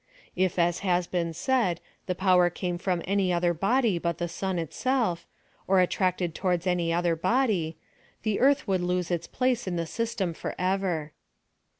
If as has been said, the power came from iiiiy other body but the sun itself, or attracted to wards any other body, the earth would lose its place in the system forever.